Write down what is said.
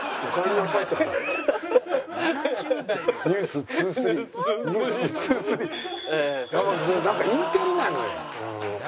なんかインテリなのよ多分。